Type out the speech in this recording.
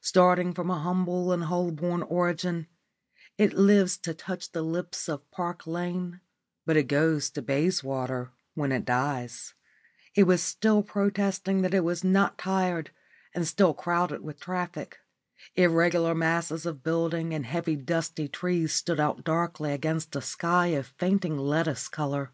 Starting from a humble and Holborn origin, it lives to touch the lips of Park Lane, but it goes to Bayswater when it dies. It was still protesting that it was not tired and still crowded with traffic. Irregular masses of buildings and heavy dusty trees stood out darkly against a sky of fainting lettuce colour.